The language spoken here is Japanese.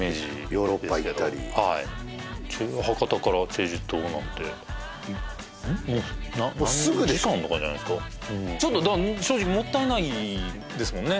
ヨーロッパ行ったり博多から済州島なんてもうすぐでしょ何時間とかじゃないですかちょっとだから正直もったいないですもんね